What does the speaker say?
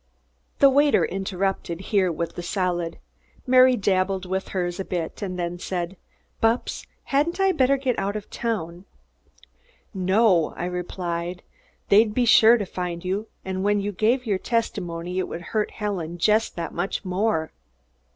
The waiter interrupted here with the salad. Mary dabbled with hers a bit and then said: "Bupps, hadn't I better get out of town?" "No," I replied. "They'd be sure to find you, and when you gave your testimony, it would hurt Helen just that much more."